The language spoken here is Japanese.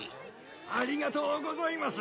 ありがとうございます。